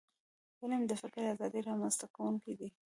علم د فکري ازادی رامنځته کونکی دی.